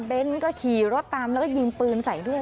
ก็ขี่รถตามแล้วก็ยิงปืนใส่ด้วย